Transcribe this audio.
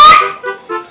pandang keselip lagi